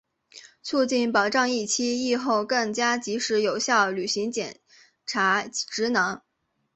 促进、保障疫期、疫后更加及时有效履行检察职能